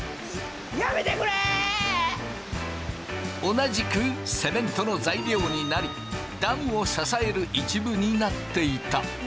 同じくセメントの材料になりダムを支える一部になっていた。